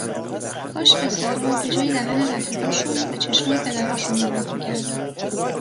کاش پسرا به جای دهن رفیقاشون به چشمای پدراشون نگاه میکردن!